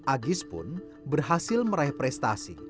agis pun berhasil meraih prestasi